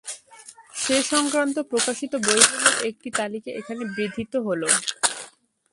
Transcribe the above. সে সংক্রান্ত প্রকাশিত বইগুলোর একটি তালিকা এখানে বিধৃত হলো।